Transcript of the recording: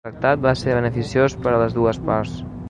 El tractat va ser beneficiós per a les dues parts.